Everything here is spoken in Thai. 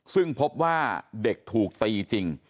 ซึ่งพบว่าเด็กถูกตีจริง